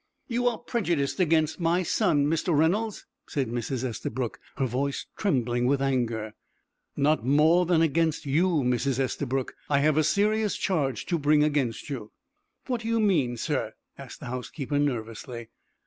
"You are prejudiced against my son, Mr. Reynolds," said Mrs. Estabrook, her voice trembling with anger. "Not more than against you, Mrs. Estabrook. I have a serious charge to bring against you." "What do you mean, sir?" asked the housekeeper, nervously.